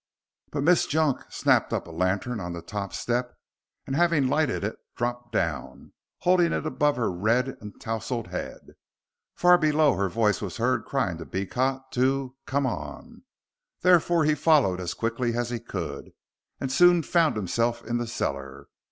But Miss Junk snatched up a lantern on the top step, and having lighted it dropped down, holding it above her red and touzelled head. Far below her voice was heard crying to Beecot to "Come on"; therefore he followed as quickly as he could, and soon found himself in the cellar.